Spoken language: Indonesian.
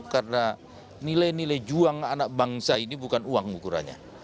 karena nilai nilai juang anak bangsa ini bukan uang ukurannya